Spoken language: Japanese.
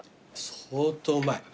相当うまい。